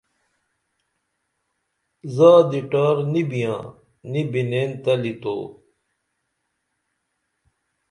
زادی ٹار نی بیاں نی بینئن تلی تو